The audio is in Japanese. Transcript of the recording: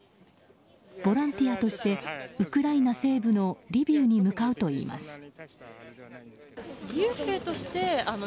ボランティアとしてウクライナ西部のリビウに向かうといいます。